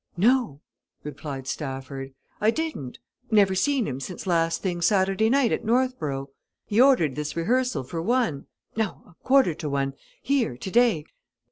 "No!" replied Stafford. "I didn't. Never seen him since last thing Saturday night at Northborough. He ordered this rehearsal for one no, a quarter to one, here, today.